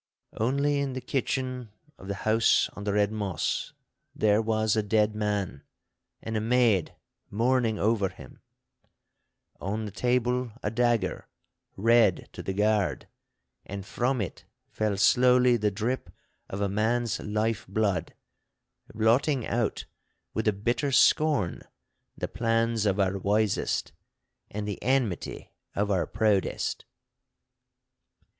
Only in the kitchen of the house on the Red Moss there was a dead man, and a maid mourning over him; on the table a dagger, red to the guard, and from it fell slowly the drip of a man's life blood, blotting out with a bitter scorn the plans of our wisest and the enmity of our proudest.